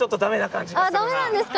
あっダメなんですか？